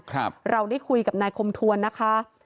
เราได้คุยกับนายคมทวนนะคะ